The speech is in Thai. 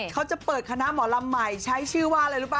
เขาจะเปิดคณะหมอลำใหม่ใช้ชื่อว่าอะไรรู้ป่